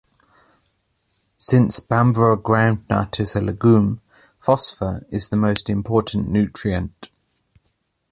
Since Bambara groundnut is a legume, phosphor is the most important nutrient.